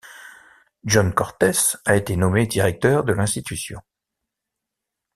John Cortes a été nommé Directeur de l'institution.